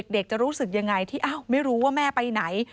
เด็กจะรู้สึกยังไงที่ไม่รู้ว่าแม่ไปไหน